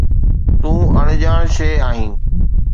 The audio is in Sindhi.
تون اڻڄاڻ شيءِ آهين